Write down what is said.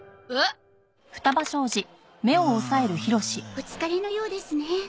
お疲れのようですね。